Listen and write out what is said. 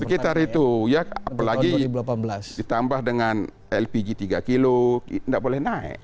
sekitar itu ya apalagi ditambah dengan lpg tiga kg tidak boleh naik